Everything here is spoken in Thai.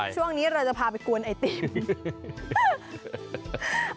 ช่วงนี้เราจะพาไปกวนไอติม